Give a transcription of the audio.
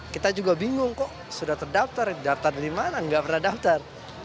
kita juga bingung kok sudah terdaftar di daftar dari mana nggak pernah daftar